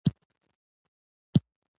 وخت وایي چې ما تعقیب کړه نور هر څه هېر کړه.